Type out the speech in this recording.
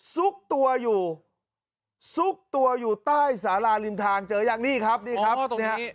ซุกตัวอยู่ซุกตัวอยู่ใต้สาราริมทางเจออย่างนี้ครับนี่ครับอ๋อตรงนี้